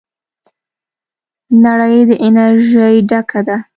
نړۍ د انرژۍ ډکه ده.